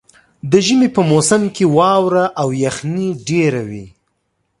د ژمي په موسم کې واوره او یخني ډېره وي.